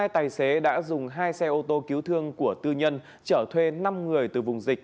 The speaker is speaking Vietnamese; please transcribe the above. hai tài xế đã dùng hai xe ô tô cứu thương của tư nhân chở thuê năm người từ vùng dịch